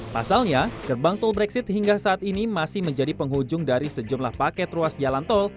pasalnya gerbang tol brexit hingga saat ini masih menjadi penghujung dari sejumlah paket ruas jalan tol